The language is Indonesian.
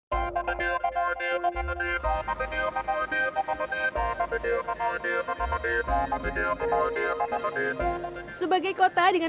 sebagai kota dengan penduduk yang berpengalaman